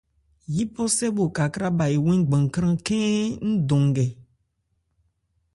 Yípɔsɛ bho kakrâ bha ewɛ́n gbankhrân khɛ́n dɔn nkɛ.